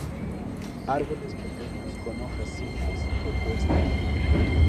Árboles pequeños con hojas simples, opuestas.